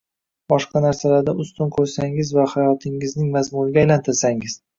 boshqa narsalardan ustun qo’ysangiz va hayotingizning mazmuniga aylantirsangiz